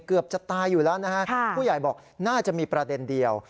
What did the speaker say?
เกือบจะตายอยู่แล้วนะฮะผู้ใหญ่บอกน่าจะมีประเด็นเดียว